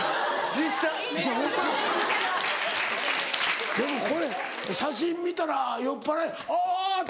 ・実写・でもこれ写真見たら酔っぱらい「あぁ！」って。